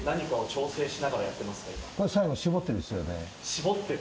搾ってる？